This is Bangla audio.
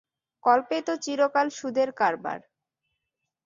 কল্পে তো চিরকাল সুদের কারবার!